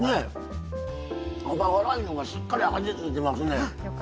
甘辛いのがしっかり味付いてますね。